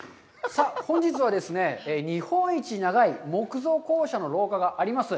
さあ、本日はですね、日本一長い木造校舎の廊下があります